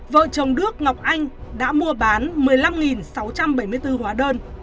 vợ chồng đức ngọc anh đã mua bán một mươi năm sáu trăm bảy mươi bốn hóa đơn